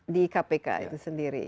di kpk itu sendiri